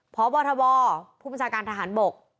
พบทบผู้บัญชาการทหารบก